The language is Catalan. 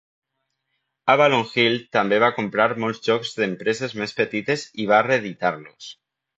Avalon Hill també va comprar molts jocs d'empreses més petites i va reeditar-los.